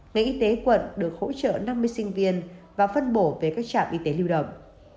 ngành y tế quận được hỗ trợ năm mươi sinh viên và phân bổ về các trạm y tế lưu động